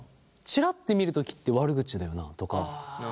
チラッて見るときって悪口だよなとか。